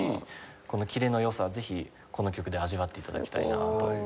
このキレの良さぜひこの曲で味わって頂きたいなと。